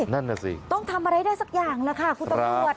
นั่นน่ะสิต้องทำอะไรได้สักอย่างแหละค่ะคุณตำรวจ